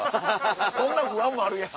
そんな不安もあるやん。